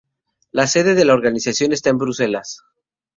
La Sede de la organización está en Bruselas.